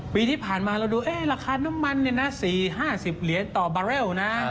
ปีที่ผ่านมาเราดูราคาน้ำมัน๔๕๐เหรียญต่อบาร์เรลนะ